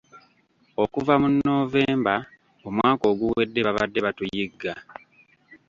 Okuva mu Novemba omwaka oguwedde babadde batuyigga.